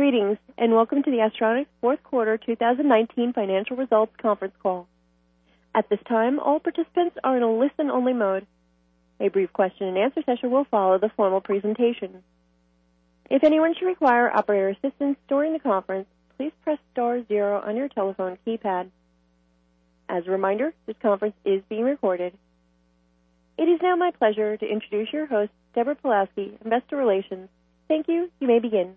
Greetings, and welcome to the Astronics fourth quarter 2019 financial results conference call. At this time, all participants are in a listen-only mode. A brief question-and-answer session will follow the formal presentation. If anyone should require operator assistance during the conference, please press star zero on your telephone keypad. As a reminder, this conference is being recorded. It is now my pleasure to introduce your host, Deborah Pawlowski, Investor Relations. Thank you. You may begin.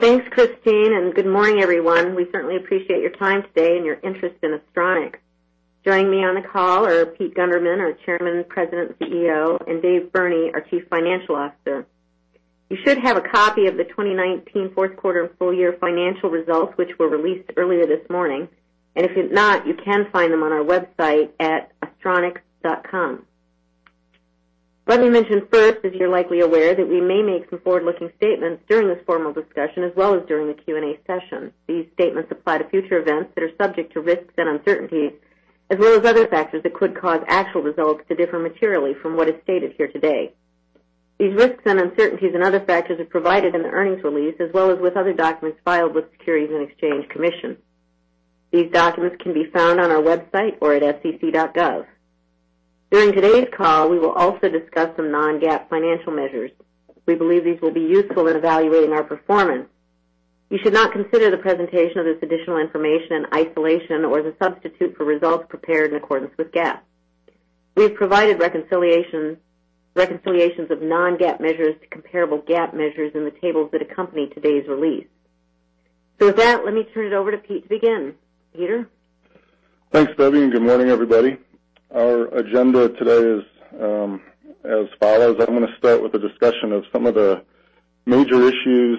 Thanks, Christine, and good morning, everyone. We certainly appreciate your time today and your interest in Astronics. Joining me on the call are Pete Gundermann, our Chairman, President, CEO, and David Burney, our Chief Financial Officer. You should have a copy of the 2019 fourth quarter and full year financial results, which were released earlier this morning. If you've not, you can find them on our website at astronics.com. Let me mention first, as you're likely aware, that we may make some forward-looking statements during this formal discussion as well as during the Q&A session. These statements apply to future events that are subject to risks and uncertainties, as well as other factors that could cause actual results to differ materially from what is stated here today. These risks and uncertainties and other factors are provided in the earnings release, as well as with other documents filed with the Securities and Exchange Commission. These documents can be found on our website or at sec.gov. During today's call, we will also discuss some non-GAAP financial measures. We believe these will be useful in evaluating our performance. You should not consider the presentation of this additional information in isolation or as a substitute for results prepared in accordance with GAAP. We've provided reconciliations of non-GAAP measures to comparable GAAP measures in the tables that accompany today's release. With that, let me turn it over to Pete to begin. Peter? Thanks, Debbie, and good morning, everybody. Our agenda today is as follows. I'm going to start with a discussion of some of the major issues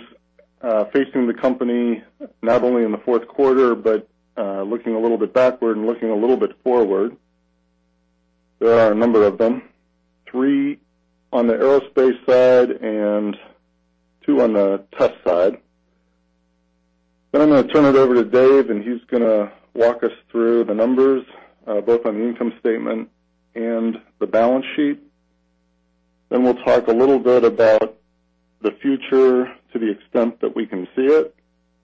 facing the company, not only in the fourth quarter but looking a little bit backward and looking a little bit forward. There are a number of them, three on the aerospace side and two on the test side. I'm going to turn it over to Dave, and he's going to walk us through the numbers, both on the income statement and the balance sheet. We'll talk a little bit about the future to the extent that we can see it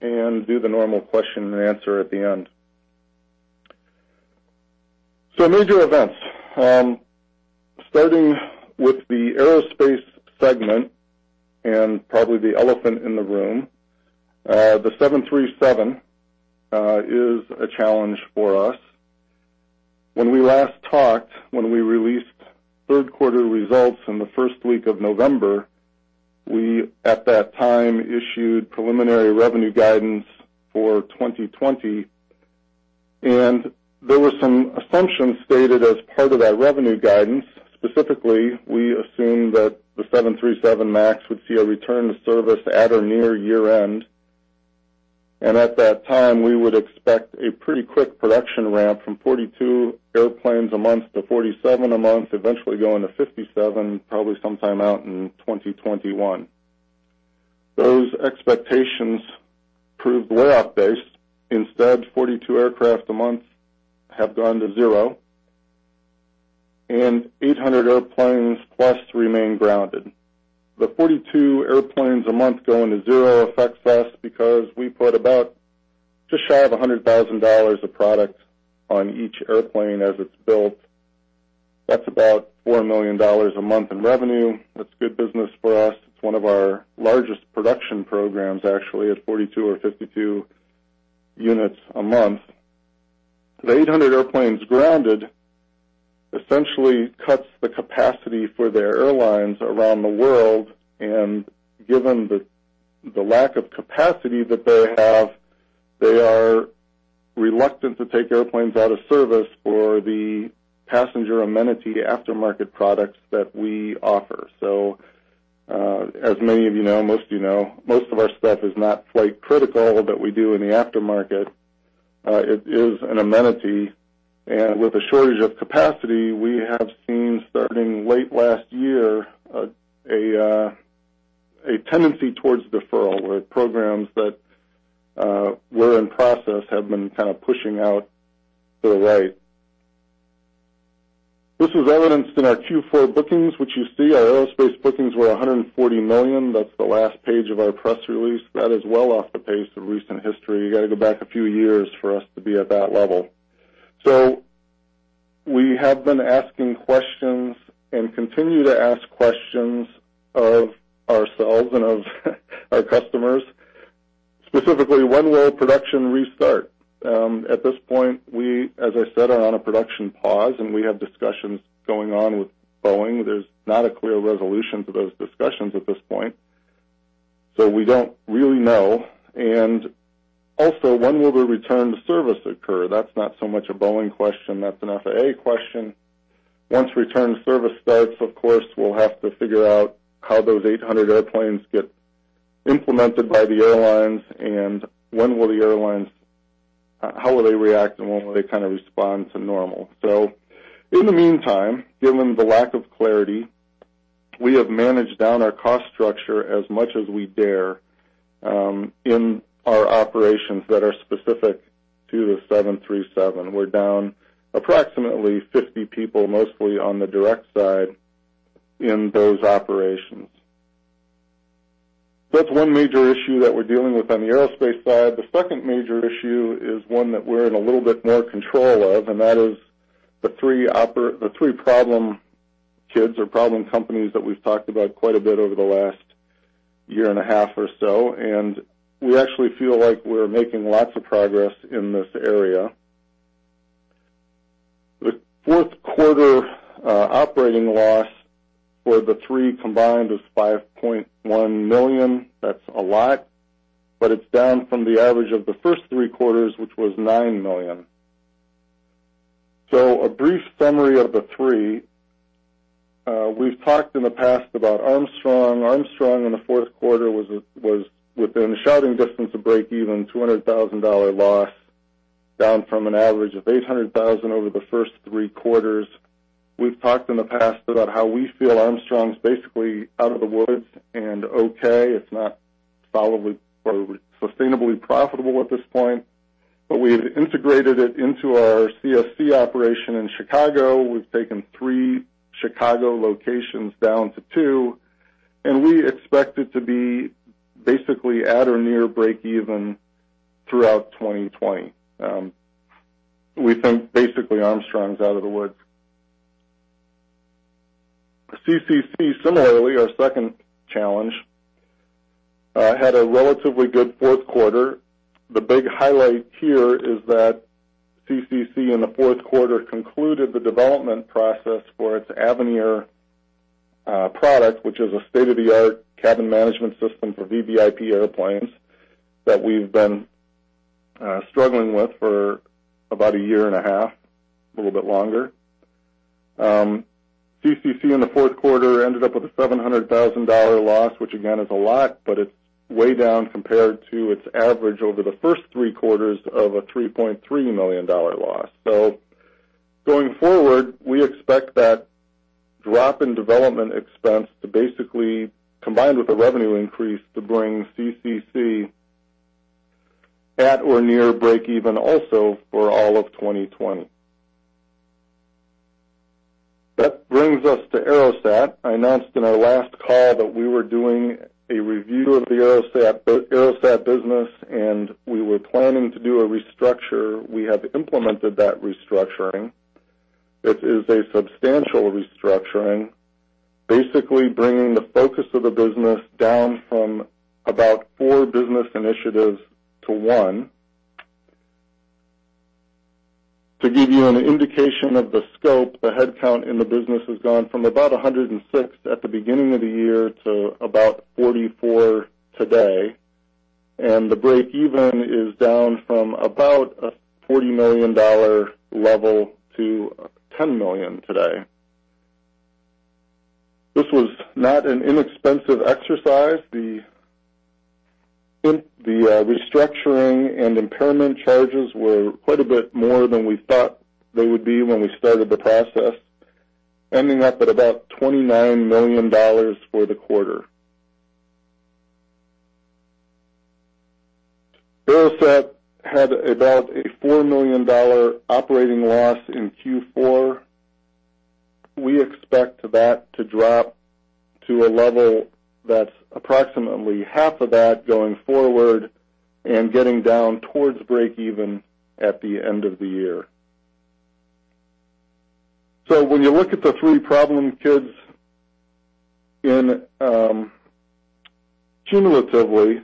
and do the normal question and answer at the end. Major events. Starting with the aerospace segment and probably the elephant in the room, the 737, is a challenge for us. When we last talked, when we released third-quarter results in the first week of November, we at that time issued preliminary revenue guidance for 2020, and there were some assumptions stated as part of that revenue guidance. Specifically, we assumed that the 737 MAX would see a return to service at or near year-end. At that time, we would expect a pretty quick production ramp from 42 airplanes a month to 47 a month, eventually going to 57, probably sometime out in 2021. Those expectations proved way off base. Instead, 42 aircraft a month have gone to zero, and 800 airplanes plus remain grounded. The 42 airplanes a month going to zero affects us because we put about just shy of $100,000 of product on each airplane as it's built. That's about $4 million a month in revenue. That's good business for us. It's one of our largest production programs, actually, at 42 or 52 units a month. The 800 airplanes grounded essentially cuts the capacity for the airlines around the world. Given the lack of capacity that they have, they are reluctant to take airplanes out of service for the passenger amenity aftermarket products that we offer. As many of you know, most of you know, most of our stuff is not flight critical, but we do in the aftermarket. It is an amenity. With a shortage of capacity, we have seen starting late last year, a tendency towards deferral, where programs that were in process have been kind of pushing out to the right. This is evidenced in our Q4 bookings, which you see. Our aerospace bookings were $140 million. That's the last page of our press release. That is well off the pace of recent history. You got to go back a few years for us to be at that level. We have been asking questions and continue to ask questions of ourselves and of our customers. Specifically, when will production restart? At this point, we, as I said, are on a production pause, and we have discussions going on with Boeing. There's not a clear resolution to those discussions at this point. We don't really know. When will the return to service occur? That's not so much a Boeing question. That's an FAA question. Once return to service starts, of course, we'll have to figure out how those 800 airplanes get implemented by the airlines, and when will the airlines-- how will they react, and when will they kind of respond to normal? In the meantime, given the lack of clarity, we have managed down our cost structure as much as we dare. In our operations that are specific to the 737, we're down approximately 50 people, mostly on the direct side, in those operations. That's one major issue that we're dealing with on the aerospace side. The second major issue is one that we're in a little bit more control of, that is the three problem kids or problem companies that we've talked about quite a bit over the last year and a half or so. We actually feel like we're making lots of progress in this area. The fourth quarter operating loss for the three combined was $5.1 million. That's a lot, it's down from the average of the first three quarters, which was $9 million. A brief summary of the three. We've talked in the past about Armstrong. Armstrong in the fourth quarter was within shouting distance of breakeven, $200,000 loss, down from an average of $800,000 over the first three quarters. We've talked in the past about how we feel Armstrong's basically out of the woods and okay. It's not solidly, sustainably profitable at this point, we have integrated it into our CSC operation in Chicago. We've taken three Chicago locations down to two. We expect it to be basically at or near breakeven throughout 2020. We think basically Armstrong's out of the woods. CCC, similarly, our second challenge, had a relatively good fourth quarter. The big highlight here is that CCC in the fourth quarter concluded the development process for its AVNIR product, which is a state-of-the-art cabin management system for VVIP airplanes that we've been struggling with for about a year and a half, a little bit longer. CCC in the fourth quarter ended up with a $700,000 loss, which again, is a lot, but it's way down compared to its average over the first three quarters of a $3.3 million loss. Going forward, we expect that drop in development expense, combined with the revenue increase, to bring CCC at or near breakeven also for all of 2020. That brings us to AeroSat. I announced in our last call that we were doing a review of the AeroSat business, and we were planning to do a restructure. We have implemented that restructuring. It is a substantial restructuring, basically bringing the focus of the business down from about four business initiatives to one. To give you an indication of the scope, the headcount in the business has gone from about 106 at the beginning of the year to about 44 today, and the breakeven is down from about a $40 million level to $10 million today. This was not an inexpensive exercise. The restructuring and impairment charges were quite a bit more than we thought they would be when we started the process, ending up at about $29 million for the quarter. AeroSat had about a $4 million operating loss in Q4. We expect that to drop to a level that's approximately half of that going forward and getting down towards breakeven at the end of the year. When you look at the three problem kids cumulatively,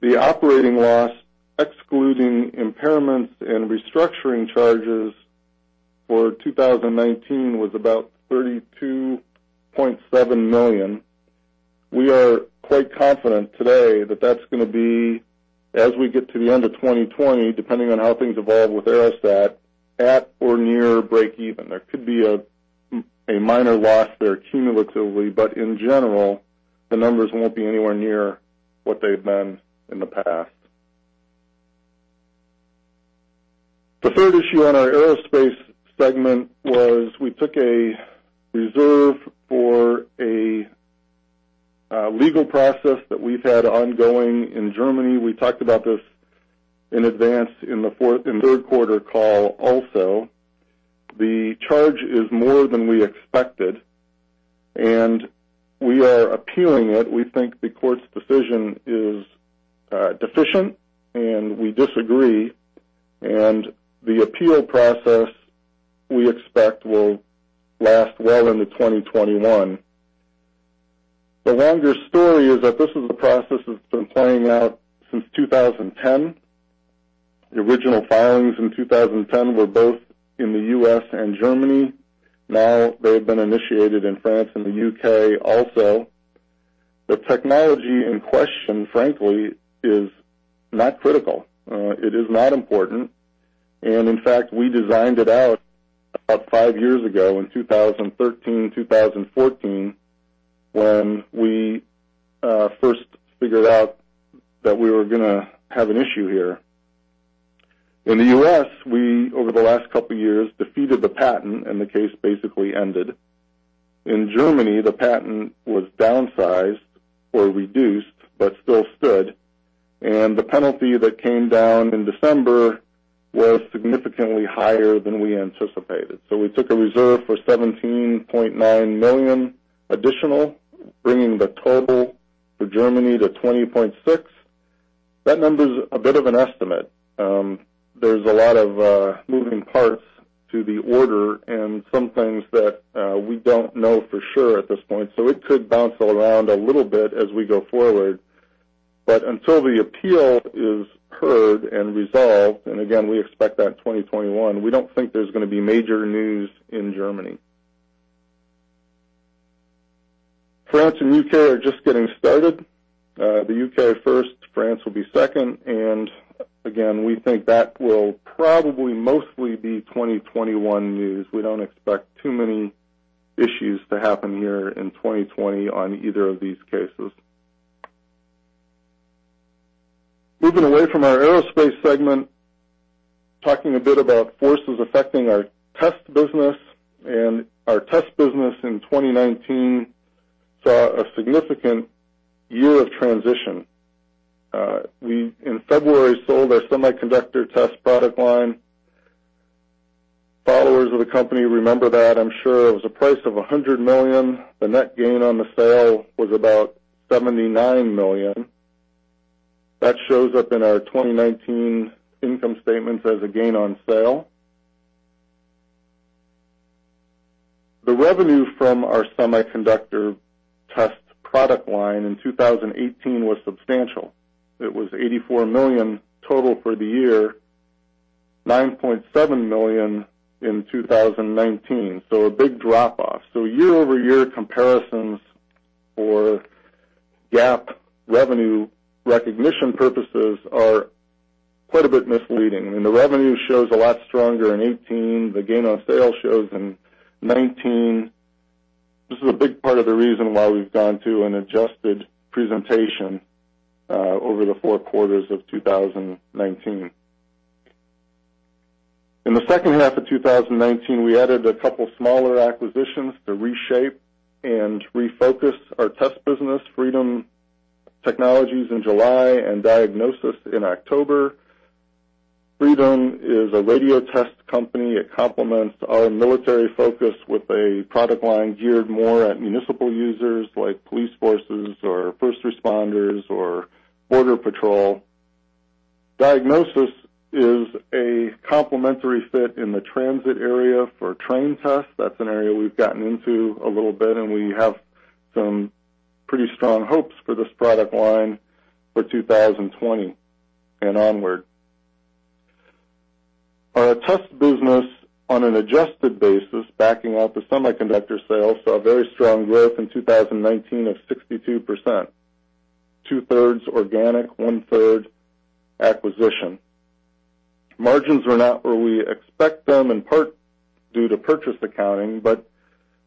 the operating loss, excluding impairments and restructuring charges for 2019, was about $32.7 million. We are quite confident today that that's going to be, as we get to the end of 2020, depending on how things evolve with AeroSat, at or near breakeven. There could be a minor loss there cumulatively, but in general, the numbers won't be anywhere near what they've been in the past. The third issue on our aerospace segment was we took a reserve for a legal process that we've had ongoing in Germany. We talked about this in advance in the third quarter call also. The charge is more than we expected, and we are appealing it. We think the court's decision is deficient, and we disagree, and the appeal process, we expect, will last well into 2021. The longer story is that this is a process that's been playing out since 2010. The original filings in 2010 were both in the U.S. and Germany. Now they've been initiated in France and the U.K. also. The technology in question, frankly, is not critical. It is not important. In fact, we designed it out about five years ago in 2013, 2014, when we first figured out that we were going to have an issue here. In the U.S., we, over the last couple years, defeated the patent, and the case basically ended. In Germany, the patent was downsized or reduced, but still stood. The penalty that came down in December was significantly higher than we anticipated. We took a reserve for $17.9 million additional, bringing the total for Germany to $20.6. That number's a bit of an estimate. There's a lot of moving parts to the order and some things that we don't know for sure at this point, so it could bounce around a little bit as we go forward. Until the appeal is heard and resolved, and again, we expect that in 2021, we don't think there's going to be major news in Germany. France and U.K. are just getting started. The U.K. first, France will be second. Again, we think that will probably mostly be 2021 news. We don't expect too many issues to happen here in 2020 on either of these cases. Moving away from our aerospace segment, talking a bit about forces affecting our test business. Our test business in 2019 saw a significant year of transition. We, in February, sold our semiconductor test product line. Followers of the company remember that, I'm sure. It was a price of $100 million. The net gain on the sale was about $79 million. That shows up in our 2019 income statements as a gain on sale. The revenue from our semiconductor test product line in 2018 was substantial. It was $84 million total for the year, $9.7 million in 2019. A big drop off. Year-over-year comparisons for GAAP revenue recognition purposes are quite a bit misleading. I mean, the revenue shows a lot stronger in 2018. The gain on sale shows in 2019. This is a big part of the reason why we've gone to an adjusted presentation over the four quarters of 2019. In the second half of 2019, we added a couple smaller acquisitions to reshape and refocus our test business. Freedom Technologies in July and Diagnosys in October. Freedom is a radio test company. It complements our military focus with a product line geared more at municipal users like police forces or first responders or border patrol. Diagnosys is a complementary fit in the transit area for train tests. That's an area we've gotten into a little bit, and we have some pretty strong hopes for this product line for 2020 and onward. Our test business on an adjusted basis, backing out the semiconductor sale, saw a very strong growth in 2019 of 62%, two-thirds organic, one-third acquisition. Margins are not where we expect them, in part due to purchase accounting.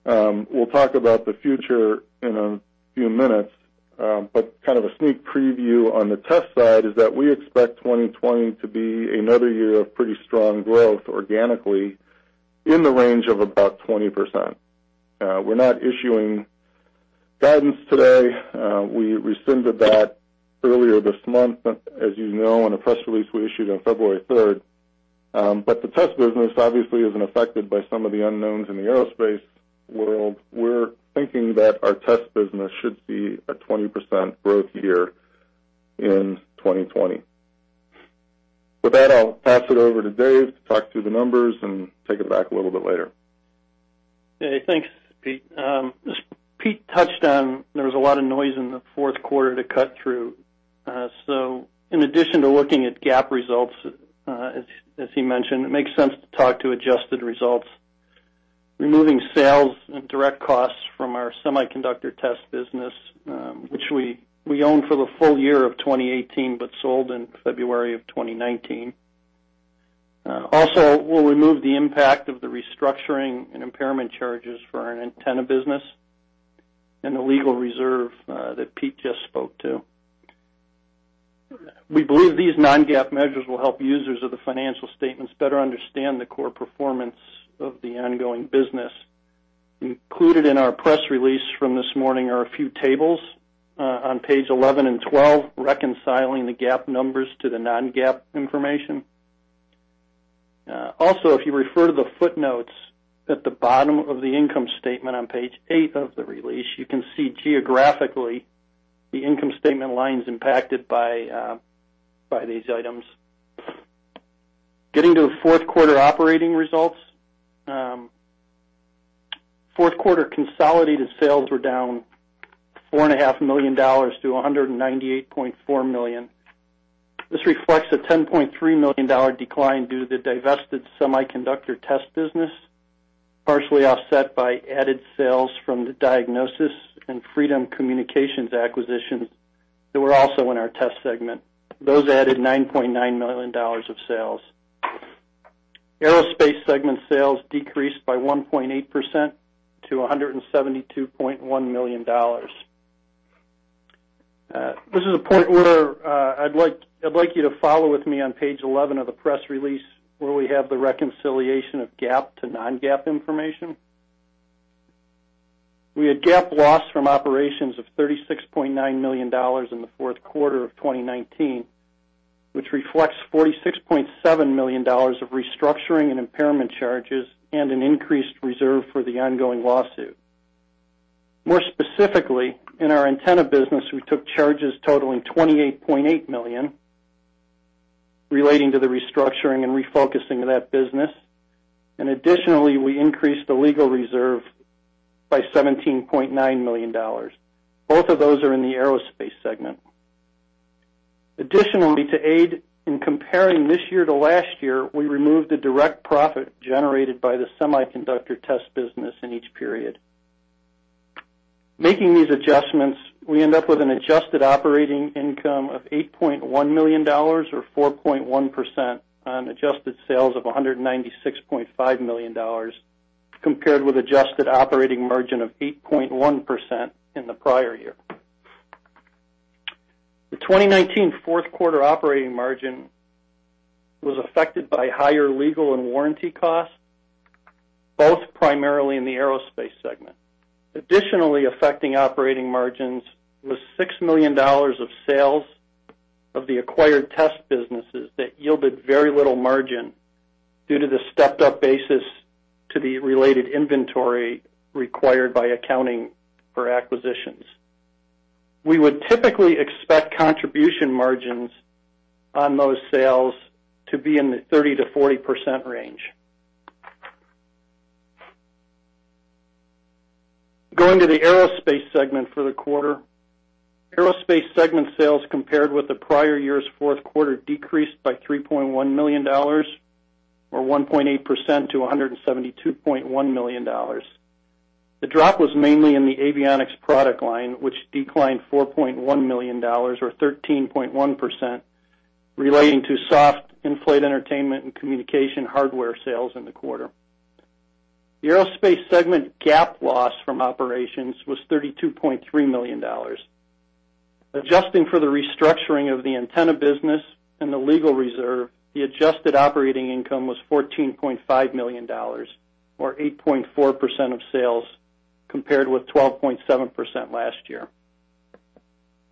We'll talk about the future in a few minutes. Kind of a sneak preview on the test side is that we expect 2020 to be another year of pretty strong growth organically in the range of about 20%. We're not issuing guidance today. We rescinded that earlier this month, as you know, in a press release we issued on February 3rd. The test business obviously isn't affected by some of the unknowns in the aerospace world. We're thinking that our test business should see a 20% growth year in 2020. With that, I'll pass it over to Dave to talk through the numbers and take it back a little bit later. Hey, thanks, Pete. As Pete touched on, there was a lot of noise in the fourth quarter to cut through. In addition to looking at GAAP results, as he mentioned, it makes sense to talk to adjusted results. Removing sales and direct costs from our semiconductor test business, which we owned for the full year of 2018 but sold in February of 2019. Also, we'll remove the impact of the restructuring and impairment charges for our antenna business and the legal reserve that Pete just spoke to. We believe these non-GAAP measures will help users of the financial statements better understand the core performance of the ongoing business. Included in our press release from this morning are a few tables on page 11 and 12 reconciling the GAAP numbers to the non-GAAP information. Also, if you refer to the footnotes at the bottom of the income statement on page eight of the release, you can see geographically the income statement lines impacted by these items. Getting to fourth quarter operating results. Fourth quarter consolidated sales were down $4.5 million to $198.4 million. This reflects a $10.3 million decline due to the divested semiconductor test business, partially offset by added sales from the Diagnosys and Freedom Communications acquisitions that were also in our test segment. Those added $9.9 million of sales. Aerospace segment sales decreased by 1.8% to $172.1 million. This is a point where I'd like you to follow with me on page 11 of the press release, where we have the reconciliation of GAAP to non-GAAP information. We had GAAP loss from operations of $36.9 million in the fourth quarter of 2019, which reflects $46.7 million of restructuring and impairment charges and an increased reserve for the ongoing lawsuit. More specifically, in our antenna business, we took charges totaling $28.8 million, relating to the restructuring and refocusing of that business. Additionally, we increased the legal reserve by $17.9 million. Both of those are in the aerospace segment. Additionally, to aid in comparing this year to last year, we removed the direct profit generated by the semiconductor test business in each period. Making these adjustments, we end up with an adjusted operating income of $8.1 million or 4.1% on adjusted sales of $196.5 million, compared with adjusted operating margin of 8.1% in the prior year. The 2019 fourth quarter operating margin was affected by higher legal and warranty costs, both primarily in the aerospace segment. Additionally affecting operating margins was $6 million of sales of the acquired test businesses that yielded very little margin due to the stepped-up basis to the related inventory required by accounting for acquisitions. We would typically expect contribution margins on those sales to be in the 30%-40% range. Going to the Aerospace segment for the quarter. Aerospace segment sales compared with the prior year's fourth quarter decreased by $3.1 million or 1.8% to $172.1 million. The drop was mainly in the avionics product line, which declined $4.1 million or 13.1%, relating to soft in-flight entertainment and communication hardware sales in the quarter. The Aerospace segment GAAP loss from operations was $32.3 million. Adjusting for the restructuring of the antenna business and the legal reserve, the adjusted operating income was $14.5 million or 8.4% of sales, compared with 12.7% last year.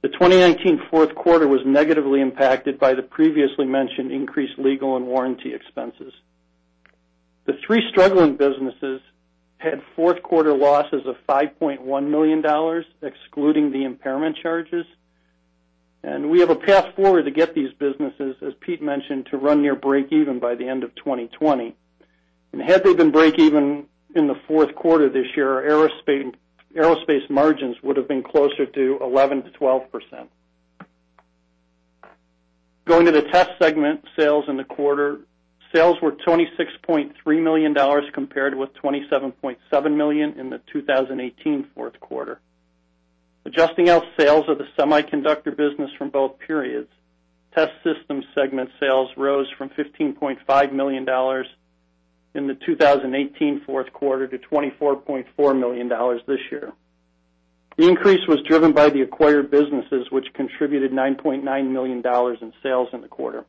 The 2019 fourth quarter was negatively impacted by the previously mentioned increased legal and warranty expenses. The three struggling businesses had fourth quarter losses of $5.1 million, excluding the impairment charges. We have a path forward to get these businesses, as Pete mentioned, to run near breakeven by the end of 2020. Had they been breakeven in the fourth quarter this year, our Aerospace margins would've been closer to 11%-12%. Going to the test segment sales in the quarter, sales were $26.3 million compared with $27.7 million in the 2018 fourth quarter. Adjusting out sales of the semiconductor business from both periods, test systems segment sales rose from $15.5 million in the 2018 fourth quarter to $24.4 million this year. The increase was driven by the acquired businesses, which contributed $9.9 million in sales in the quarter.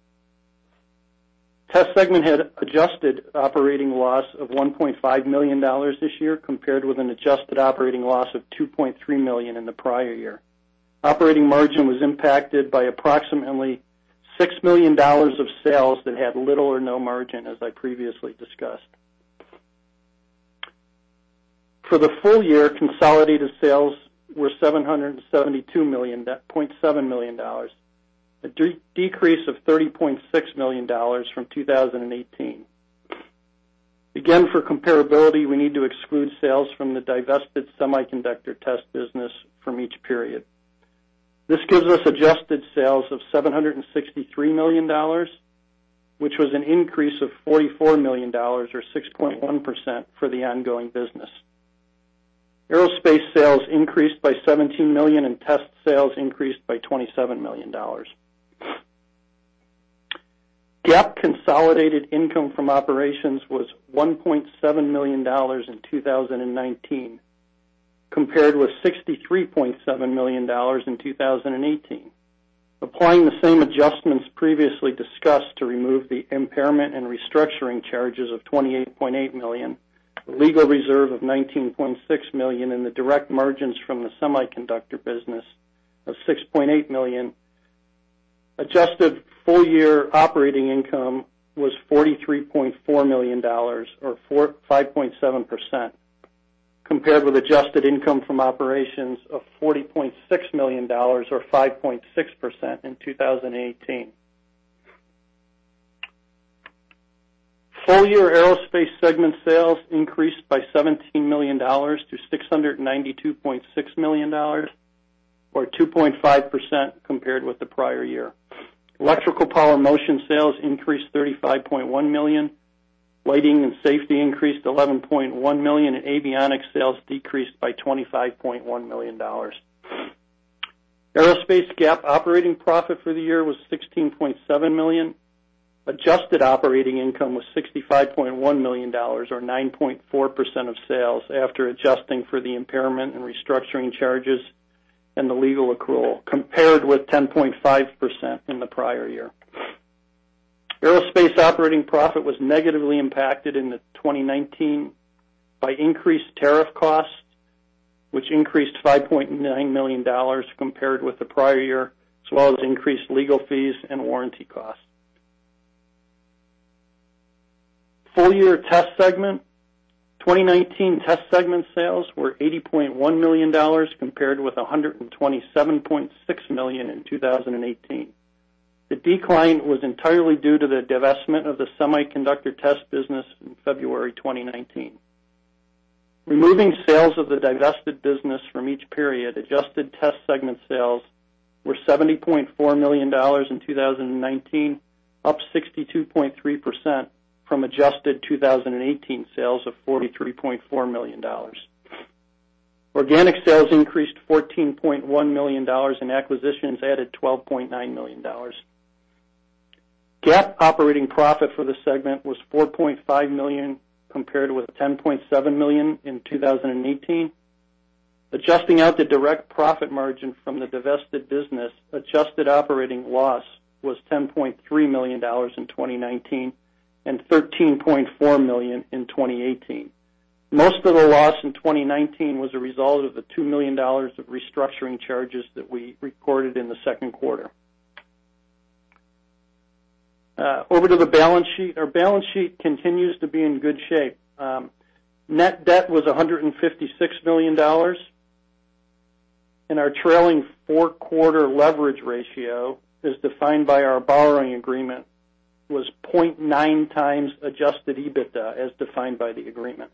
Test segment had adjusted operating loss of $1.5 million this year, compared with an adjusted operating loss of $2.3 million in the prior year. Operating margin was impacted by approximately $6 million of sales that had little or no margin, as I previously discussed. For the full year, consolidated sales were $772.7 million, a decrease of $30.6 million from 2018. Again, for comparability, we need to exclude sales from the divested semiconductor test business from each period. This gives us adjusted sales of $763 million, which was an increase of $44 million or 6.1% for the ongoing business. Aerospace sales increased by $17 million, and test sales increased by $27 million. GAAP consolidated income from operations was $1.7 million in 2019, compared with $63.7 million in 2018. Applying the same adjustments previously discussed to remove the impairment and restructuring charges of $28.8 million, the legal reserve of $19.6 million, and the direct margins from the semiconductor business of $6.8 million, adjusted full-year operating income was $43.4 million or 5.7%, compared with adjusted income from operations of $40.6 million or 5.6% in 2018. Full-year Aerospace segment sales increased by $17 million to $692.6 million or 2.5% compared with the prior year. Electrical power motion sales increased $35.1 million. Lighting and safety increased $11.1 million, and avionics sales decreased by $25.1 million. Aerospace GAAP operating profit for the year was $16.7 million. Adjusted operating income was $65.1 million, or 9.4% of sales, after adjusting for the impairment and restructuring charges and the legal accrual, compared with 10.5% in the prior year. Aerospace operating profit was negatively impacted in 2019 by increased tariff costs, which increased $5.9 million compared with the prior year, as well as increased legal fees and warranty costs. Full year test segment. 2019 test segment sales were $80.1 million compared with $127.6 million in 2018. The decline was entirely due to the divestment of the semiconductor test business in February 2019. Removing sales of the divested business from each period, adjusted test segment sales were $70.4 million in 2019, up 62.3% from adjusted 2018 sales of $43.4 million. Organic sales increased $14.1 million and acquisitions added $12.9 million. GAAP operating profit for the segment was $4.5 million compared with $10.7 million in 2018. Adjusting out the direct profit margin from the divested business, adjusted operating loss was $10.3 million in 2019 and $13.4 million in 2018. Most of the loss in 2019 was a result of the $2 million of restructuring charges that we recorded in the second quarter. Over to the balance sheet. Our balance sheet continues to be in good shape. Net debt was $156 million, and our trailing four-quarter leverage ratio, as defined by our borrowing agreement, was 0.9 times adjusted EBITDA, as defined by the agreement.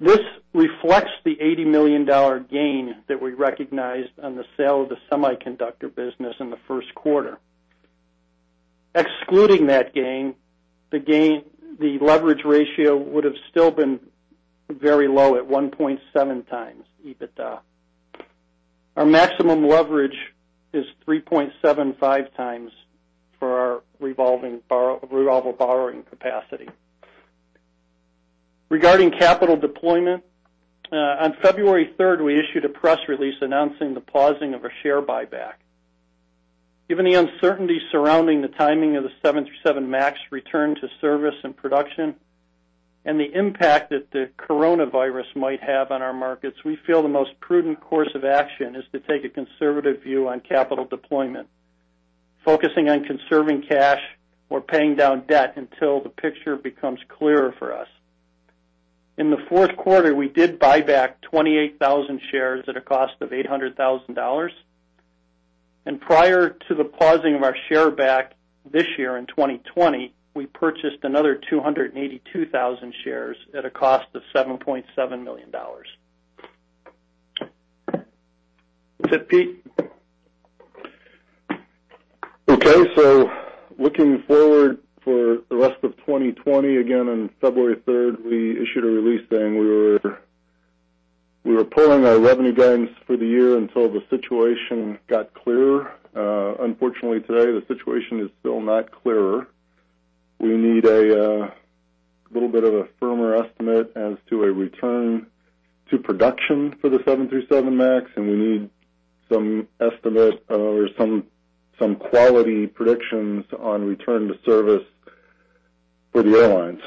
This reflects the $80 million gain that we recognized on the sale of the semiconductor business in the first quarter. Excluding that gain, the leverage ratio would have still been very low at 1.7 times EBITDA. Our maximum leverage is 3.75 times for our revolving borrowing capacity. Regarding capital deployment, on February 3rd, we issued a press release announcing the pausing of a share buyback. Given the uncertainty surrounding the timing of the 737 MAX return to service and production, and the impact that the coronavirus might have on our markets, we feel the most prudent course of action is to take a conservative view on capital deployment, focusing on conserving cash or paying down debt until the picture becomes clearer for us. In the fourth quarter, we did buy back 28,000 shares at a cost of $800,000. Prior to the pausing of our share back this year in 2020, we purchased another 282,000 shares at a cost of $7.7 million. That's it, Pete. Okay. Looking forward for the rest of 2020, again, on February 3rd, we issued a release saying we were pulling our revenue guidance for the year until the situation got clearer. Unfortunately, today, the situation is still not clearer. We need a little bit of a firmer estimate as to a return to production for the 737 MAX, and we need some estimate or some quality predictions on return to service for the airlines.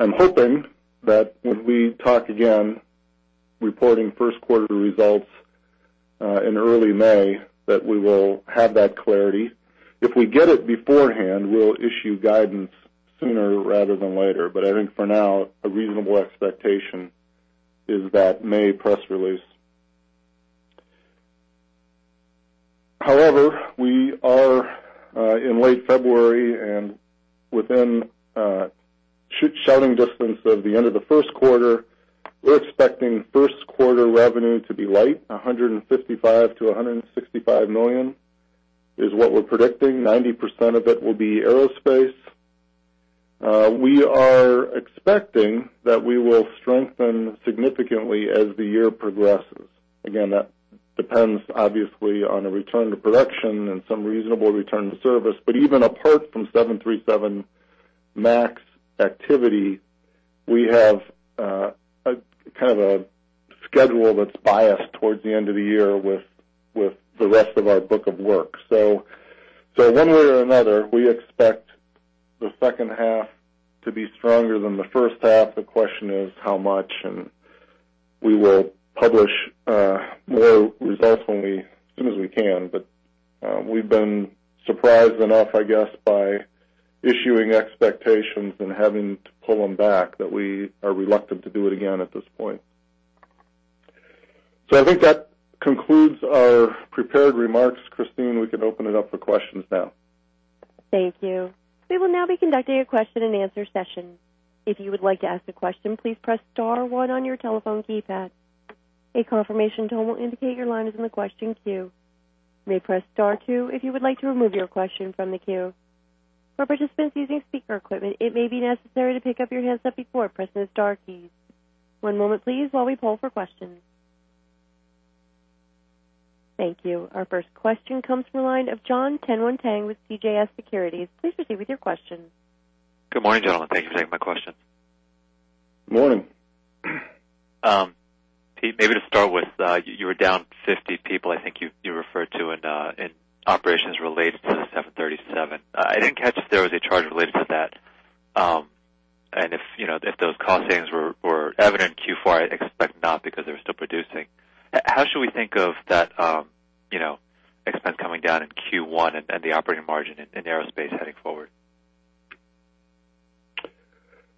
I'm hoping that when we talk again, reporting first quarter results in early May, that we will have that clarity. If we get it beforehand, we'll issue guidance sooner rather than later. I think for now, a reasonable expectation is that May press release. However, we are in late February, and within shouting distance of the end of the first quarter. We're expecting first quarter revenue to be light, $155 million-$165 million is what we're predicting. 90% of it will be Aerospace. We are expecting that we will strengthen significantly as the year progresses. That depends obviously on a return to production and some reasonable return to service. Even apart from 737 MAX activity, we have a kind of a schedule that's biased towards the end of the year with the rest of our book of work. One way or another, we expect the second half to be stronger than the first half. The question is how much. We will publish more results as soon as we can. We've been surprised enough, I guess, by issuing expectations and having to pull them back that we are reluctant to do it again at this point. I think that concludes our prepared remarks. Christine, we can open it up for questions now. Thank you. We will now be conducting a question and answer session. If you would like to ask a question, please press star one on your telephone keypad. A confirmation tone will indicate your line is in the question queue. You may press star two if you would like to remove your question from the queue. For participants using speaker equipment, it may be necessary to pick up your handset before pressing the star keys. One moment please while we poll for questions. Thank you. Our first question comes from the line of Jon Tanwanteng with CJS Securities. Please proceed with your question. Good morning, gentlemen. Thank you for taking my question. Morning. Pete, maybe to start with, you were down 50 people, I think you referred to in operations related to the 737. I didn't catch if there was a charge related to that. If those cost savings were evident in Q4, I expect not because they're still producing. How should we think of that expense coming down in Q1 and the operating margin in Aerospace heading forward?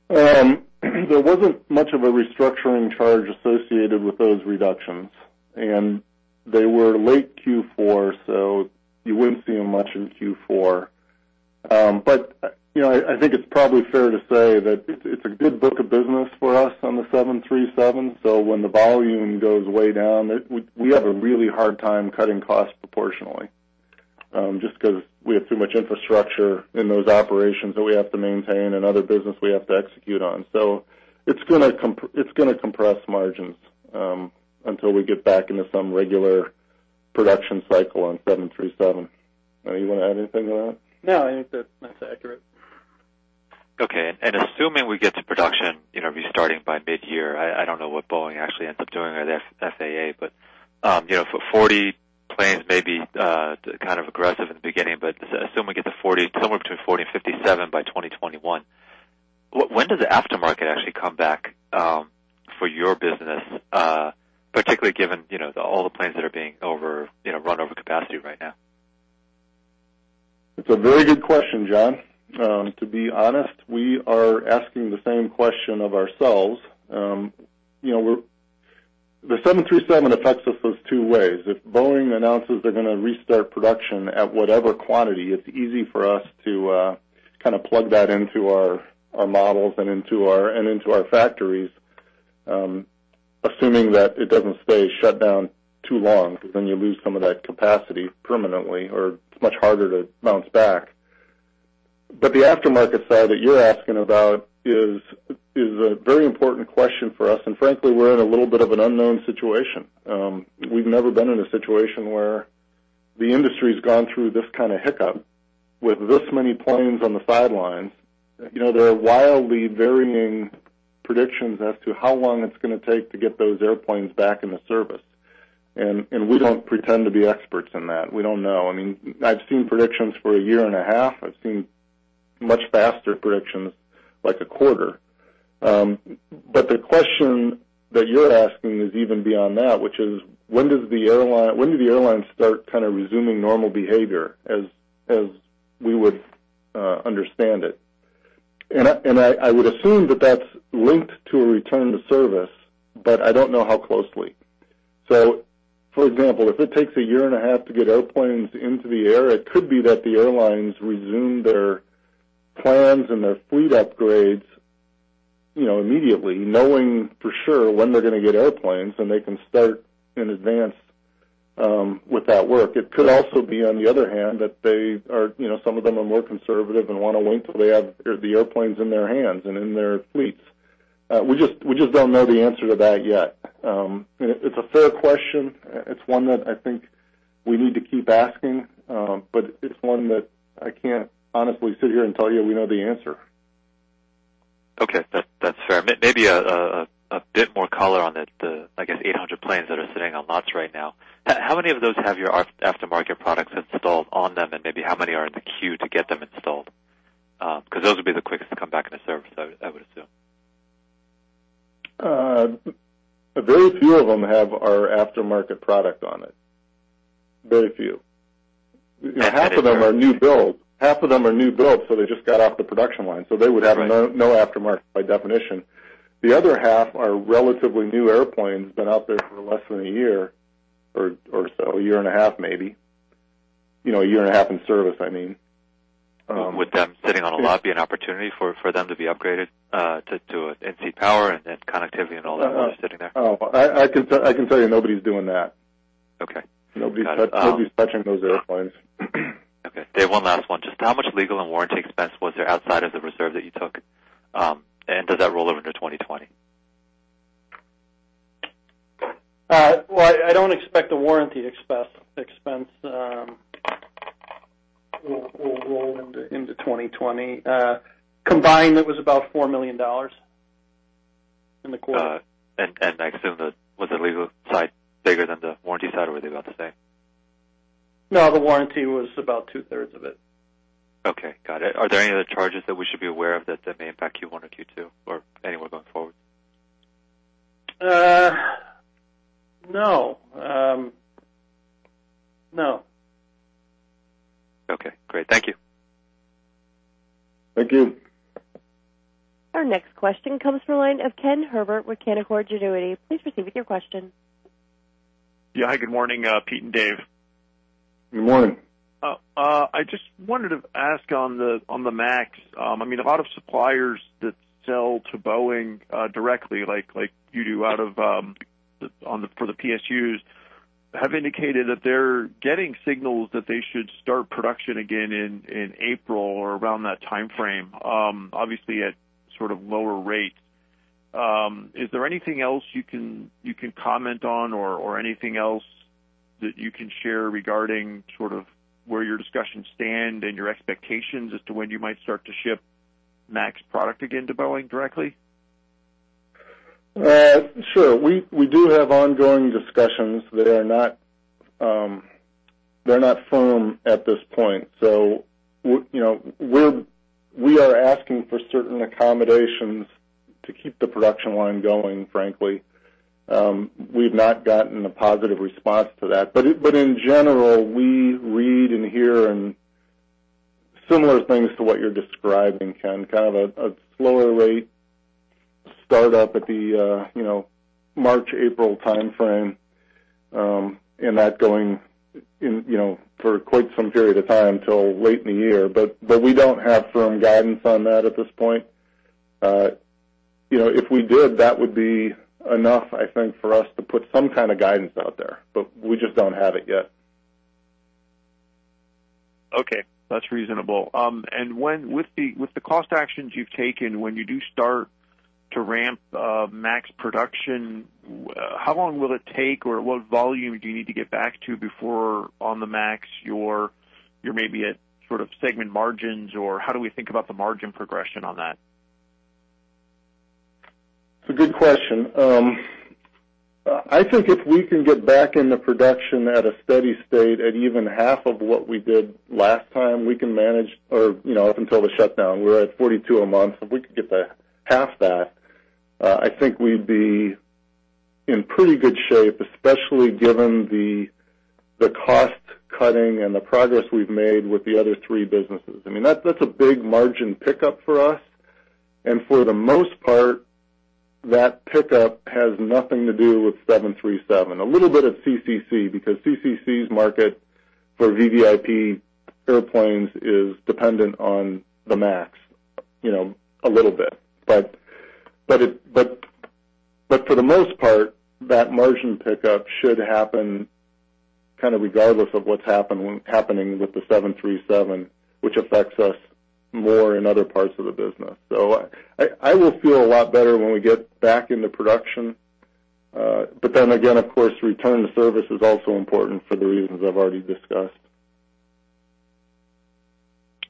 There wasn't much of a restructuring charge associated with those reductions, and they were late Q4, so you wouldn't see them much in Q4. I think it's probably fair to say that it's a good book of business for us on the 737. When the volume goes way down, we have a really hard time cutting costs proportionally, just because we have too much infrastructure in those operations that we have to maintain and other business we have to execute on. It's going to compress margins, until we get back into some regular production cycle on 737. You want to add anything to that? No, I think that's accurate. Okay. Assuming we get to production, restarting by mid-year, I don't know what Boeing actually ends up doing or the FAA, but 40 planes may be kind of aggressive in the beginning, but assume we get to somewhere between 40 and 57 by 2021. When does the aftermarket actually come back for your business, particularly given all the planes that are being run over capacity right now? It's a very good question, Jon. To be honest, we are asking the same question of ourselves. The 737 affects us those two ways. If Boeing announces they're going to restart production at whatever quantity, it's easy for us to kind of plug that into our models and into our factories, assuming that it doesn't stay shut down too long, because then you lose some of that capacity permanently or it's much harder to bounce back. The aftermarket side that you're asking about is a very important question for us, and frankly, we're in a little bit of an unknown situation. We've never been in a situation where the industry's gone through this kind of hiccup with this many planes on the sidelines. There are wildly varying predictions as to how long it's going to take to get those airplanes back into service, and we don't pretend to be experts in that. We don't know. I've seen predictions for a year and a half. I've seen much faster predictions, like a quarter. The question that you're asking is even beyond that, which is when do the airlines start kind of resuming normal behavior as we would understand it? I would assume that's linked to a return to service, but I don't know how closely. For example, if it takes a year and a half to get airplanes into the air, it could be that the airlines resume their plans and their fleet upgrades immediately, knowing for sure when they're going to get airplanes, and they can start in advance with that work. It could also be, on the other hand, that some of them are more conservative and want to wait till they have the airplanes in their hands and in their fleets. We just don't know the answer to that yet. It's a fair question. It's one that I think we need to keep asking. It's one that I can't honestly sit here and tell you we know the answer. Okay. That's fair. Maybe a bit more color on the, I guess, 800 planes that are sitting on lots right now. How many of those have your aftermarket products installed on them, and maybe how many are in the queue to get them installed? Those would be the quickest to come back into service, I would assume. A very few of them have our aftermarket product on it. Very few. Half of them are new builds, so they just got off the production line. They would have no aftermarket by definition. The other half are relatively new airplanes, been out there for less than a year or so, a year and a half maybe. A year and a half in service, I mean. Would them sitting on a lot be an opportunity for them to be upgraded to in-seat power and connectivity and all that while they're sitting there? I can tell you nobody's doing that. Okay. Nobody's touching those airplanes. Okay. David, one last one. Just how much legal and warranty expense was there outside of the reserve that you took? Does that roll over into 2020? Well, I don't expect a warranty expense will roll into 2020. Combined, it was about $4 million in the quarter. I assume that, was the legal side bigger than the warranty side, or were they about the same? No, the warranty was about two-thirds of it. Okay. Got it. Are there any other charges that we should be aware of that may impact Q1 or Q2 or anywhere going forward? No. Okay, great. Thank you. Thank you. Our next question comes from the line of Ken Herbert with Canaccord Genuity. Please proceed with your question. Yeah. Hi, good morning, Pete and David. Good morning. I just wanted to ask on the MAX. A lot of suppliers that sell to Boeing directly, like you do for the PSUs, have indicated that they're getting signals that they should start production again in April or around that timeframe, obviously at sort of lower rates. Is there anything else you can comment on or anything else that you can share regarding sort of where your discussions stand and your expectations as to when you might start to ship MAX product again to Boeing directly? Sure. We do have ongoing discussions that are not firm at this point. We are asking for certain accommodations to keep the production line going, frankly. We've not gotten a positive response to that. In general, we read and hear similar things to what you're describing, Ken, kind of a slower rate start up at the March, April timeframe, and that going for quite some period of time till late in the year. We don't have firm guidance on that at this point. If we did, that would be enough, I think, for us to put some kind of guidance out there. We just don't have it yet. Okay. That's reasonable. With the cost actions you've taken, when you do start to ramp up MAX production, how long will it take, or what volume do you need to get back to before on the MAX you're maybe at sort of segment margins, or how do we think about the margin progression on that? It's a good question. I think if we can get back into production at a steady state at even half of what we did last time, we can manage, or up until the shutdown, we were at 42 a month. If we could get half that, I think we'd be in pretty good shape, especially given the cost cutting and the progress we've made with the other three businesses. I mean, that's a big margin pickup for us, and for the most part, that pickup has nothing to do with 737. A little bit of CCC, because CCC's market for VVIP airplanes is dependent on the MAX, a little bit. For the most part, that margin pickup should happen kind of regardless of what's happening with the 737, which affects us more in other parts of the business. I will feel a lot better when we get back into production. Again, of course, return to service is also important for the reasons I've already discussed.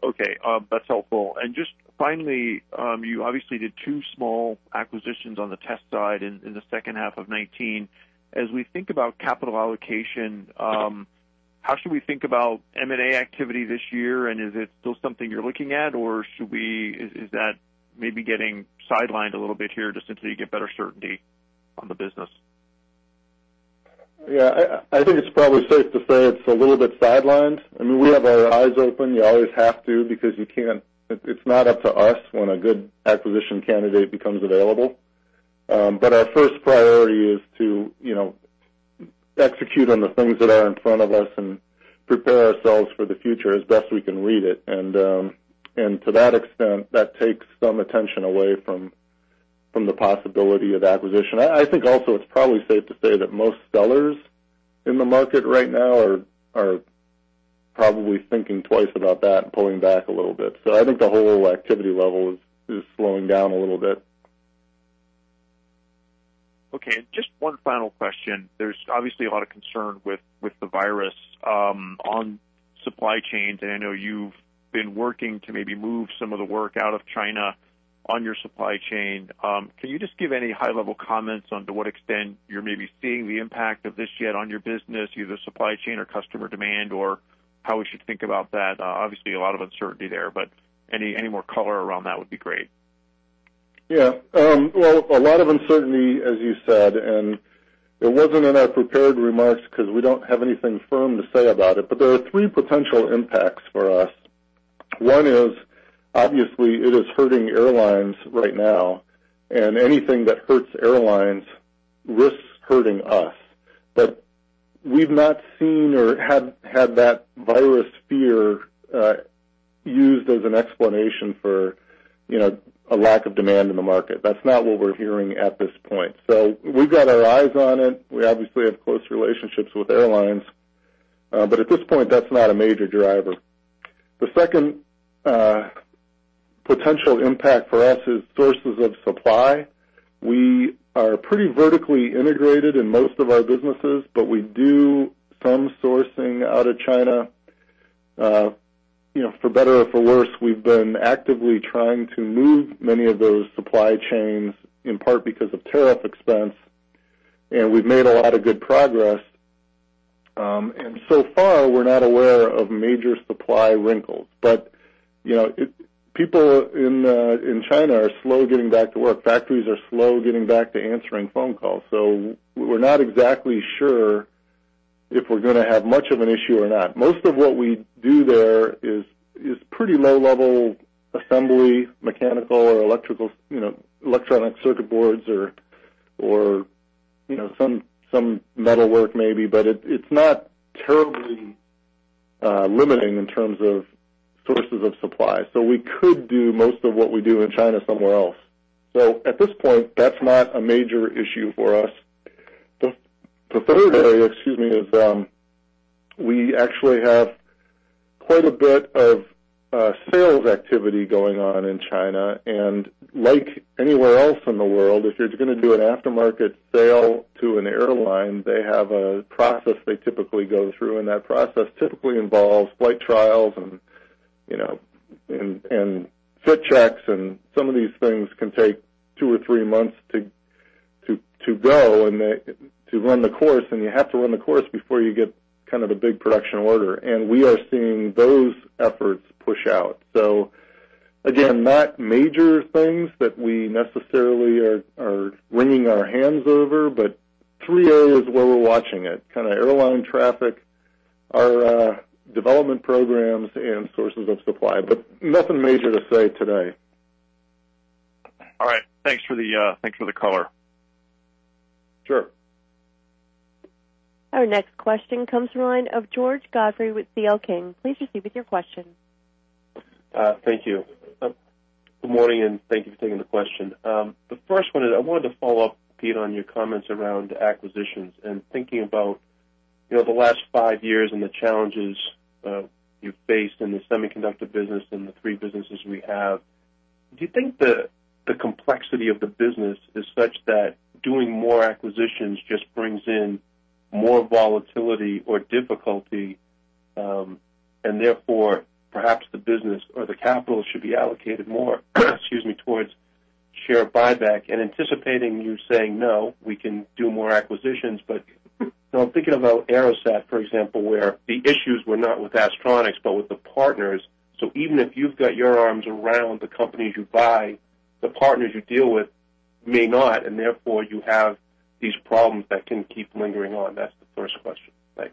Okay. That's helpful. Just finally, you obviously did two small acquisitions on the test side in the second half of 2019. As we think about capital allocation, how should we think about M&A activity this year, and is it still something you're looking at, or is that maybe getting sidelined a little bit here just until you get better certainty on the business? I think it's probably safe to say it's a little bit sidelined. I mean, we have our eyes open. You always have to because it's not up to us when a good acquisition candidate becomes available. Our first priority is to execute on the things that are in front of us and prepare ourselves for the future as best we can read it. To that extent, that takes some attention away from the possibility of acquisition. I think also it's probably safe to say that most sellers in the market right now are probably thinking twice about that and pulling back a little bit. I think the whole activity level is slowing down a little bit. Okay. Just one final question. There's obviously a lot of concern with the virus on supply chains, and I know you've been working to maybe move some of the work out of China on your supply chain. Can you just give any high-level comments on to what extent you're maybe seeing the impact of this yet on your business, either supply chain or customer demand, or how we should think about that? Obviously, a lot of uncertainty there, but any more color around that would be great. Yeah. Well, a lot of uncertainty, as you said. It wasn't in our prepared remarks because we don't have anything firm to say about it. There are three potential impacts for us. One is, obviously, it is hurting airlines right now. Anything that hurts airlines risks hurting us. We've not seen or had that virus fear used as an explanation for a lack of demand in the market. That's not what we're hearing at this point. We've got our eyes on it. We obviously have close relationships with airlines. At this point, that's not a major driver. The second potential impact for us is sources of supply. We are pretty vertically integrated in most of our businesses, we do some sourcing out of China. For better or for worse, we've been actively trying to move many of those supply chains, in part because of tariff expense. We've made a lot of good progress. So far, we're not aware of major supply wrinkles. People in China are slow getting back to work. Factories are slow getting back to answering phone calls. We're not exactly sure if we're going to have much of an issue or not. Most of what we do there is pretty low-level assembly, mechanical or electrical, electronic circuit boards, or some metalwork maybe, but it's not terribly limiting in terms of sources of supply. We could do most of what we do in China somewhere else. At this point, that's not a major issue for us. The third area is we actually have quite a bit of sales activity going on in China, and like anywhere else in the world, if you're going to do an aftermarket sale to an airline, they have a process they typically go through, and that process typically involves flight trials and fit checks, and some of these things can take two or three months to go and to run the course. You have to run the course before you get a big production order. We are seeing those efforts push out. Again, not major things that we necessarily are wringing our hands over, but three areas where we're watching it, airline traffic, our development programs, and sources of supply, but nothing major to say today. All right. Thanks for the color. Sure. Our next question comes from the line of George Godfrey with CL King. Please proceed with your question. Thank you. Good morning, and thank you for taking the question. The first one is, I wanted to follow up, Pete, on your comments around acquisitions and thinking about the last five years and the challenges you've faced in the semiconductor business and the three businesses we have. Do you think the complexity of the business is such that doing more acquisitions just brings in more volatility or difficulty, and therefore, perhaps the business or the capital should be allocated more towards share buyback? Anticipating you saying, "No, we can do more acquisitions," but I'm thinking about AeroSat, for example, where the issues were not with Astronics, but with the partners. Even if you've got your arms around the companies you buy, the partners you deal with may not, and therefore you have these problems that can keep lingering on. That's the first question. Thanks.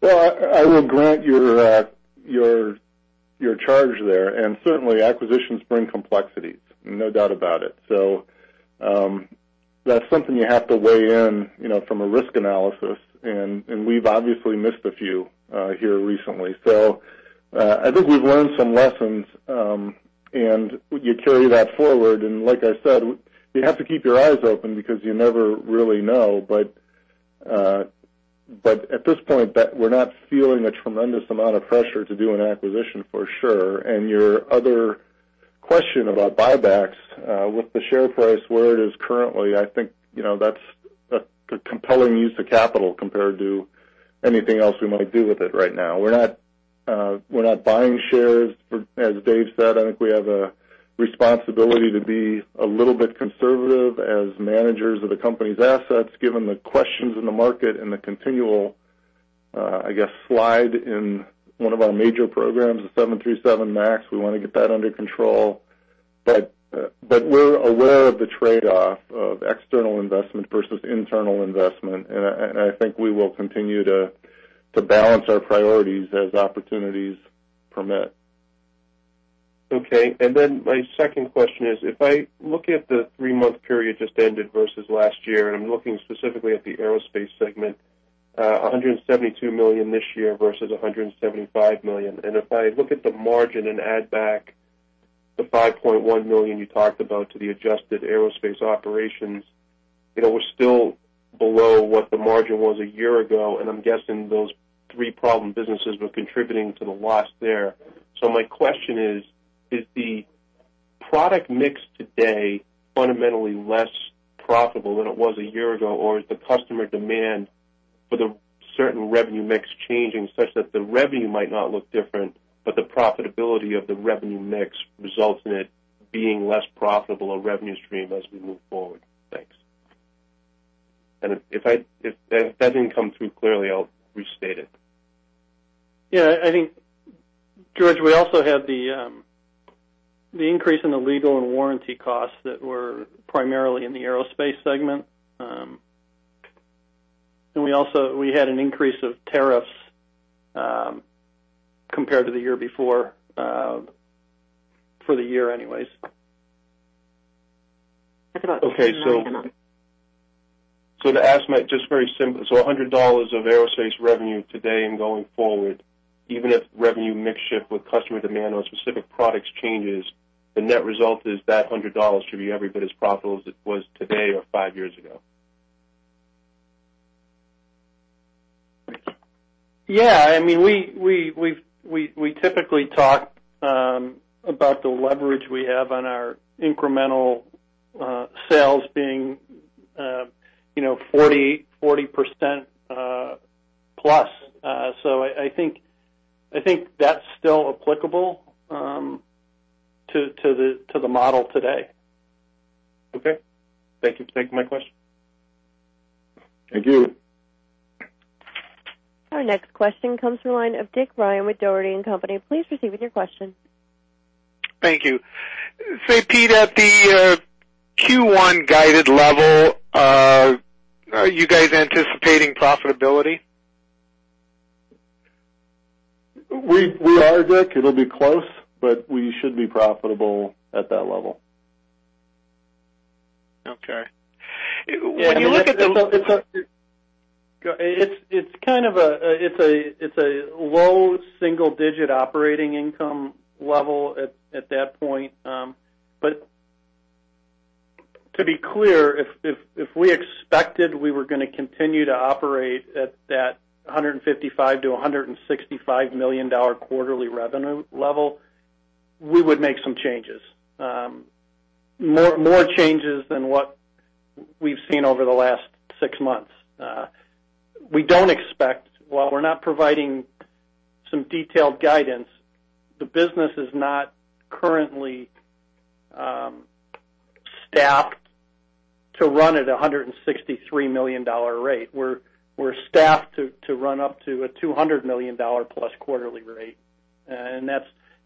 Well, I will grant your charge there, certainly acquisitions bring complexities. No doubt about it. That's something you have to weigh in from a risk analysis, we've obviously missed a few here recently. I think we've learned some lessons, you carry that forward, like I said, you have to keep your eyes open because you never really know. At this point, we're not feeling a tremendous amount of pressure to do an acquisition, for sure. Your other question about buybacks, with the share price where it is currently, I think that's a compelling use of capital compared to anything else we might do with it right now. We're not buying shares. As Dave said, I think we have a responsibility to be a little bit conservative as managers of the company's assets, given the questions in the market and the continual, I guess, slide in one of our major programs, the 737 MAX. We want to get that under control. We're aware of the trade-off of external investment versus internal investment, and I think we will continue to balance our priorities as opportunities permit. Okay. My second question is, if I look at the three-month period just ended versus last year, and I'm looking specifically at the aerospace segment, $172 million this year versus $175 million. If I look at the margin and add back the $5.1 million you talked about to the adjusted aerospace operations, we're still below what the margin was a year ago, and I'm guessing those three problem businesses were contributing to the loss there. My question is the product mix today fundamentally less profitable than it was a year ago, or is the customer demand for the certain revenue mix changing such that the revenue might not look different, but the profitability of the revenue mix results in it being less profitable a revenue stream as we move forward? Thanks. If that didn't come through clearly, I'll restate it. Yeah. I think, George, we also had the increase in the legal and warranty costs that were primarily in the aerospace segment. We had an increase of tariffs, compared to the year before, for the year anyways. To ask might, just very simple, $100 of aerospace revenue today and going forward, even if revenue mix shift with customer demand on specific products changes, the net result is that $100 should be every bit as profitable as it was today or five years ago? We typically talk about the leverage we have on our incremental sales being 40% plus. I think that's still applicable to the model today. Okay. Thank you for taking my question. Thank you. Our next question comes from the line of Dick Ryan with Dougherty & Company. Please proceed with your question. Thank you. Say, Pete, at the Q1 guided level, are you guys anticipating profitability? We are, Dick. It'll be close, but we should be profitable at that level. Okay. When you look at the-. It's a low single-digit operating income level at that point. To be clear, if we expected we were going to continue to operate at that $155 million-$165 million quarterly revenue level, we would make some changes. More changes than what we've seen over the last six months. We don't expect, while we're not providing some detailed guidance, the business is not currently staffed to run at $163 million rate. We're staffed to run up to a $200 million-plus quarterly rate,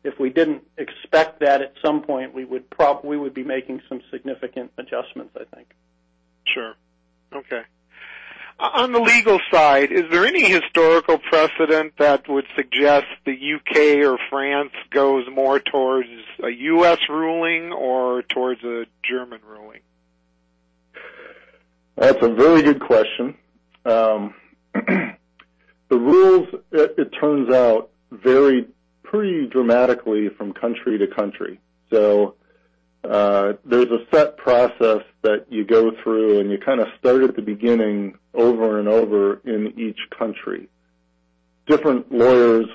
if we didn't expect that at some point, we would be making some significant adjustments, I think. Sure. Okay. On the legal side, is there any historical precedent that would suggest the U.K. or France goes more towards a U.S. ruling or towards a German ruling? That's a very good question. The rules, it turns out, vary pretty dramatically from country-to-country. There's a set process that you go through, and you kind of start at the beginning over-and-over in each country. Different lawyers,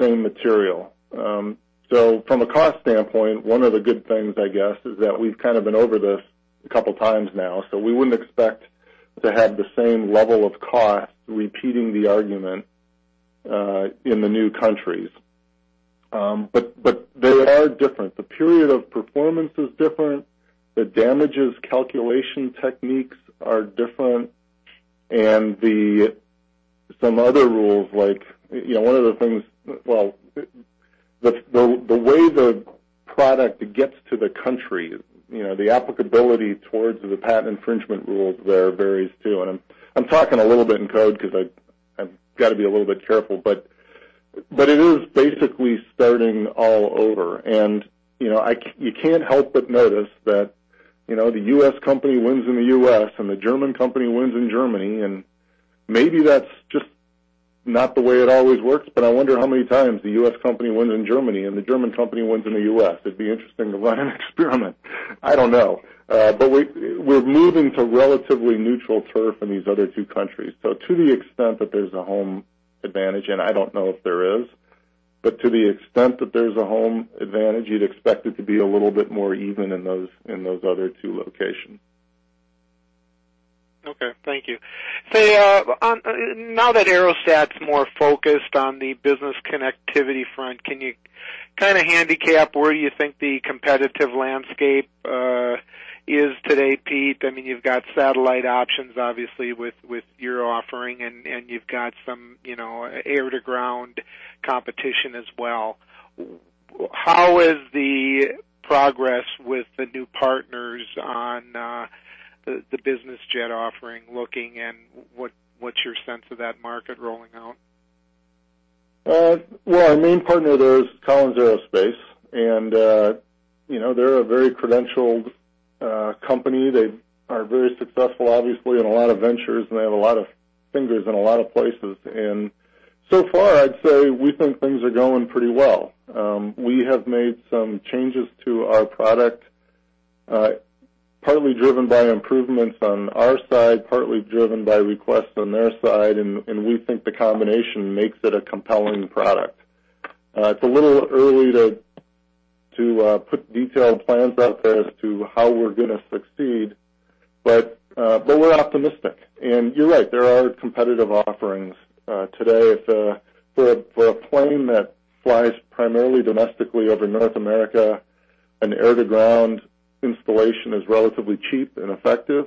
same material. From a cost standpoint, one of the good things, I guess, is that we've kind of been over this a couple of times now, so we wouldn't expect to have the same level of cost repeating the argument in the new countries. They are different. The period of performance is different. The damages calculation techniques are different. Some other rules, like one of the things, the way the product gets to the country, the applicability towards the patent infringement rules there varies, too. I'm talking a little bit in code because I've got to be a little bit careful, but it is basically starting all over. You can't help but notice that the U.S. company wins in the U.S., and the German company wins in Germany, and maybe that's just not the way it always works. I wonder how many times the U.S. company wins in Germany and the German company wins in the U.S. It'd be interesting to run an experiment. I don't know. We're moving to relatively neutral turf in these other two countries. To the extent that there's a home advantage, and I don't know if there is, but to the extent that there's a home advantage, you'd expect it to be a little bit more even in those other two locations. Okay. Thank you. Now that AeroSat's more focused on the business connectivity front, can you kind of handicap where you think the competitive landscape is today, Pete? You've got satellite options, obviously, with your offering, and you've got some air-to-ground competition as well. How is the progress with the new partners on the business jet offering looking, and what's your sense of that market rolling out? Well, our main partner there is Collins Aerospace, and they're a very credentialed company. They are very successful, obviously, in a lot of ventures, and they have a lot of fingers in a lot of places. So far, I'd say we think things are going pretty well. We have made some changes to our product, partly driven by improvements on our side, partly driven by requests on their side, and we think the combination makes it a compelling product. It's a little early to put detailed plans out there as to how we're going to succeed. We're optimistic. You're right, there are competitive offerings today. For a plane that flies primarily domestically over North America, an air-to-ground installation is relatively cheap and effective.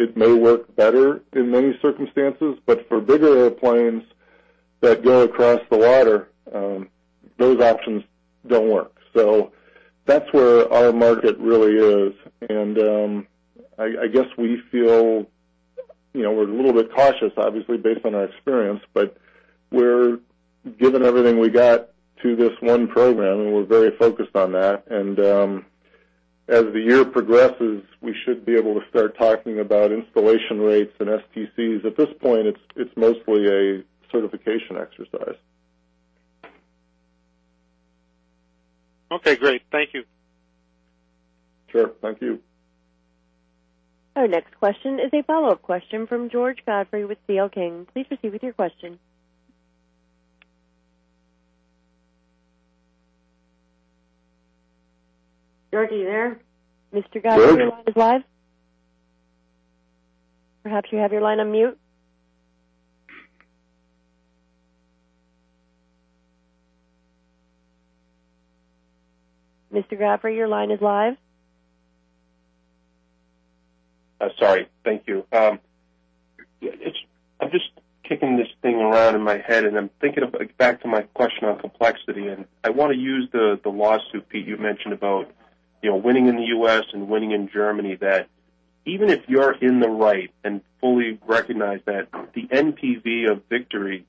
It may work better in many circumstances, but for bigger airplanes that go across the water, those options don't work. That's where our market really is, I guess we feel we're a little bit cautious, obviously, based on our experience, but we're giving everything we got to this one program, and we're very focused on that. As the year progresses, we should be able to start talking about installation rates and STCs. At this point, it's mostly a certification exercise. Okay, great. Thank you. Sure. Thank you. Our next question is a follow-up question from George Godfrey with C.L. King. Please proceed with your question. George, are you there? Mr. Godfrey, your line is live. Perhaps you have your line on mute. Mr. Godfrey, your line is live. Sorry. Thank you. I'm just kicking this thing around in my head, I'm thinking back to my question on complexity, I want to use the lawsuit, Pete, you mentioned about winning in the U.S. and winning in Germany, that even if you're in the right and fully recognize that, the NPV of victory is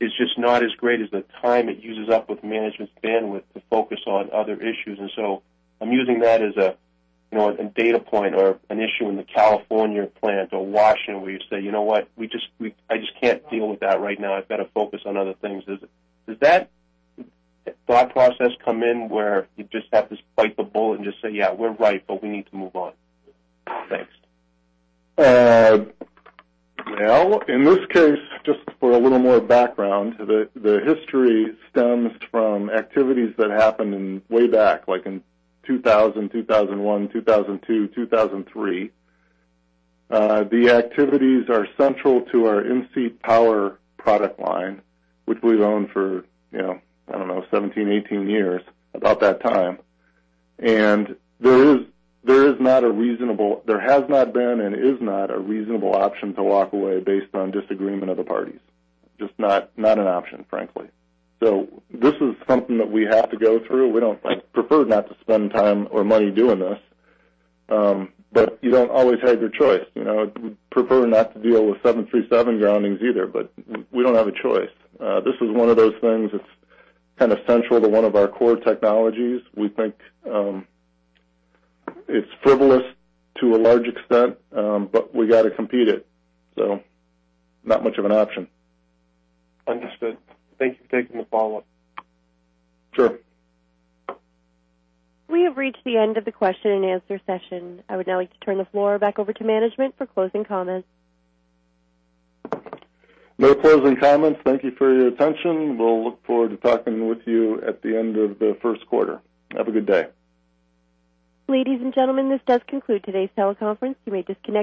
just not as great as the time it uses up with management's bandwidth to focus on other issues. I'm using that as a data point or an issue in the California plant or Washington where you say, "You know what? I just can't deal with that right now. I've got to focus on other things." Does that thought process come in where you just have to bite the bullet and just say, "Yeah, we're right, but we need to move on." Thanks. In this case, just for a little more background, the history stems from activities that happened way back, like in 2000, 2001, 2002, 2003. The activities are central to our in-seat power product line, which we've owned for, I don't know, 17, 18 years, about that time. There has not been and is not a reasonable option to walk away based on disagreement of the parties. Just not an option, frankly. This is something that we have to go through. We prefer not to spend time or money doing this. You don't always have your choice. We'd prefer not to deal with 737 groundings either, but we don't have a choice. This is one of those things that's kind of central to one of our core technologies. We think it's frivolous to a large extent. We got to compete it. Not much of an option. Understood. Thank you. Taking the follow-up. Sure. We have reached the end of the question and answer session. I would now like to turn the floor back over to management for closing comments. No closing comments. Thank you for your attention. We'll look forward to talking with you at the end of the first quarter. Have a good day. Ladies and gentlemen, this does conclude today's teleconference. You may disconnect your lines.